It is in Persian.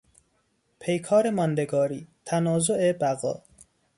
پیکار ماندگاری، تنازع بقا